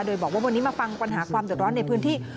โดยบอกว่าวันนี้มาฟังปัญหาความเดือดร้อนในพื้นที่